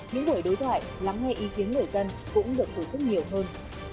những buổi đối thoại lắng nghe ý kiến người dân cũng được tổ chức nhiều hơn